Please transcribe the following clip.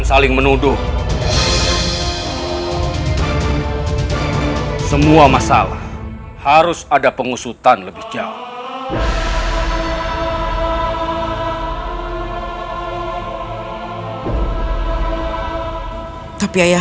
sampai jumpa di video selanjutnya